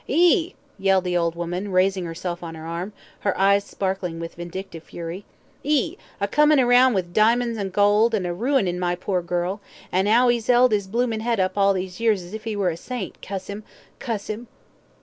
"'E!" yelled the old woman, raising herself on her arm, her eyes sparkling with vindictive fury. "'E, a comin' round with di'monds and gold, and a ruinin' my pore girl; an' how 'e's 'eld 'is bloomin' 'ead up all these years as if he were a saint, cuss 'im cuss 'im."